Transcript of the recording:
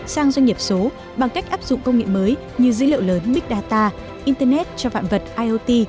sang doanh nghiệp số bằng cách áp dụng công nghệ mới như dữ liệu lớn big data internet cho vạn vật iot